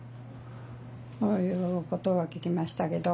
そういうことは聞きましたけど。